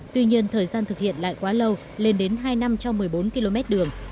tuy nhiên thời gian thực hiện lại quá lâu lên đến hai năm trong một mươi bốn km đường